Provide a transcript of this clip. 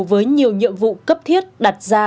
với nhiều nhiệm vụ cấp thiết đặt ra